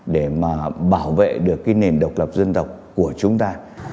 để mà bảo vệ được cái nền độc lập dân tộc của chúng ta